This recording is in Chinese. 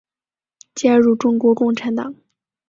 加入中国共产党。